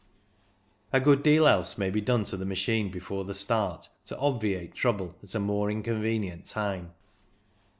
A good deal else may be done to the machine before the start, to obviate trouble at a more inconvenient time.